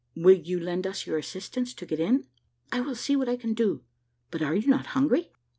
"Will you lend us your assistance to get in?" "I will see what I can do. But are you not hungry?"